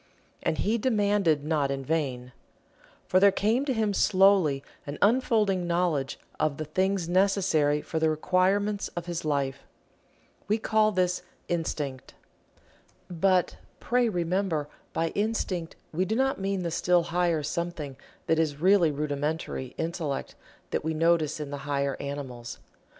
And he demanded not in vain. For there came to him slowly an unfolding knowledge of the things necessary for the requirements of his life. We call this Instinct. But, pray remember, by Instinct we do not mean the still higher something that is really rudimentary Intellect that we notice in the higher animals.